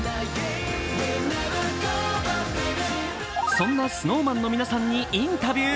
そんなＳｎｏｗＭａｎの皆さんにインタビュー。